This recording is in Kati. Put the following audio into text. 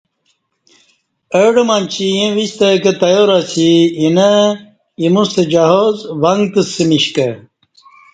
اڈہ منچی ییں ویستہ کہ تیار اسی اینہ ایموستہ جہاز ونگتسمش کہ